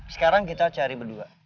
sekarang kita cari berdua